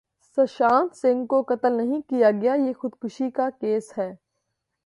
سشانت سنگھ کو قتل نہیں کیا گیا یہ خودکشی کا کیس ہے